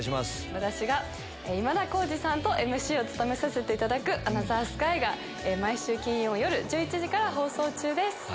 私が今田耕司さんとＭＣを務めさせていただくアナザースカイが、毎週金曜夜１１時から放送中です。